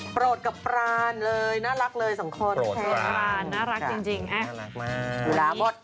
โปรดกับปรานเลยน่ารักเลยสองคนใช้พรานน่ารักจริงน่ารักมาก